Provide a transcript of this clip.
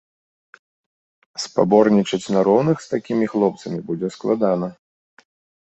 Спаборнічаць на роўных з такімі хлопцамі будзе складана.